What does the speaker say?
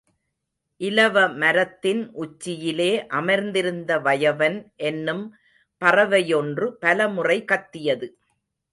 இலவ மரத்தின் உச்சியிலே அமர்ந்திருந்த வயவன் என்னும் பறவையொன்று பலமுறை கத்தியது.